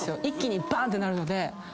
一気にばーんってなるので。